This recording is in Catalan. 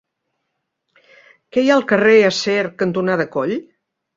Què hi ha al carrer Acer cantonada Coll?